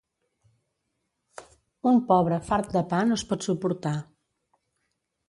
Un pobre fart de pa no es pot suportar.